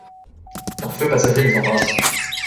Un feu passager les embrase.